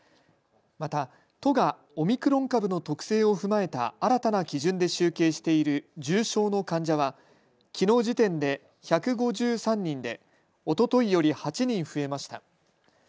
また都がオミクロン株の特性を踏まえた新たな基準で集計している重症の患者はきのう時点で１５３人でおとといより８人増えました。